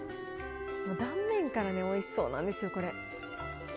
断面からおいしそうなんですよ、これ。